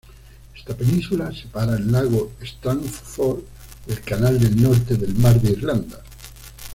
Esta península separa el lago Strangford del canal del Norte del mar de Irlanda.